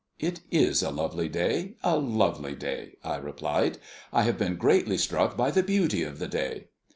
"It is a lovely day; a lovely day," I replied. "I have been greatly struck by the beauty of the day."